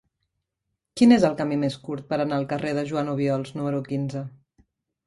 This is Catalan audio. Quin és el camí més curt per anar al carrer de Joan Obiols número quinze?